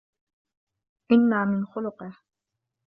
إنَّ مِنْ خُلُقِهِ